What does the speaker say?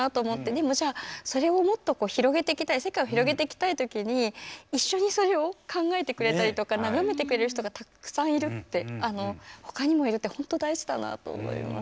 でもじゃあそれをもっと広げていきたい世界を広げていきたいときに一緒にそれを考えてくれたりとか眺めてくれる人がたくさんいるってほかにもいるって本当大事だなと思います。